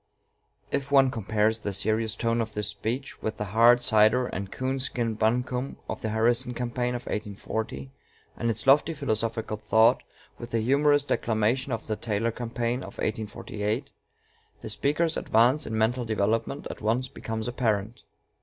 If one compares the serious tone of this speech with the hard cider and coon skin buncombe of the Harrison campaign of 1840, and its lofty philosophical thought with the humorous declamation of the Taylor campaign of 1848, the speaker's advance in mental development at once becomes apparent.